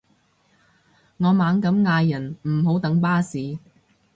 我猛咁嗌人唔好等巴士